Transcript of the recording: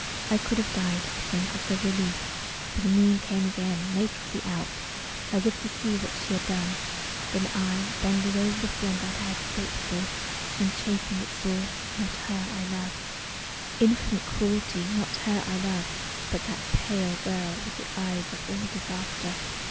I could have died, I think, of the relief. But the moon came again, nakedly out, As if to see what she had done. Then I, Bending over the form that I had fought for, And chafing it, saw ... not her I loved! Infinite Cruelty, not her I loved!... But that pale girl, with the eyes of all disaster.